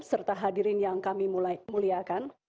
serta hadirin yang kami muliakan